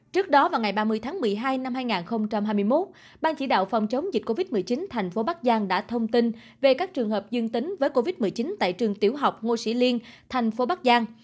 trước đó vào ngày ba mươi tháng một mươi hai năm hai nghìn hai mươi một ban chỉ đạo phòng chống dịch covid một mươi chín thành phố bắc giang đã thông tin về các trường hợp dương tính với covid một mươi chín tại trường tiểu học ngô sĩ liên thành phố bắc giang